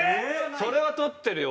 それは撮ってるよ